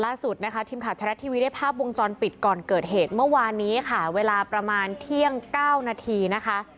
ล่าสุดนะคะทีมข่าวไทยรัฐทีวีได้ภาพวงจรปิดก่อนเกิดเหตุเมื่อวานนี้ค่ะเวลาประมาณเที่ยง๙นาทีนะคะ